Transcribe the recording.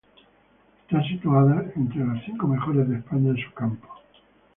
Está situada entre las cinco mejores de España en su campo.